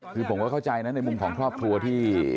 คือผมก็เข้าใจนะในมุมของครอบครัวที่